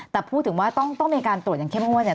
แต่พูดถึงว่าต้องมีการตรวจอย่างเคร็มห้วน